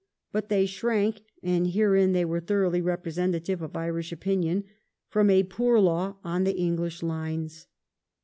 But they shrank (and herein they were thoroughly representative of Irish opinion) from a poor law on the English lines.